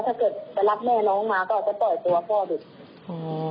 ถ้าเกิดไปรับแม่น้องมาก็อาจจะต่อยตัวพ่อดี